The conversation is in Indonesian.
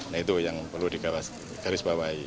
nah itu yang perlu digarisbawahi